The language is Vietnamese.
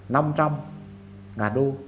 năm trăm ngàn đô